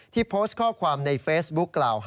โพสต์ข้อความในเฟซบุ๊คกล่าว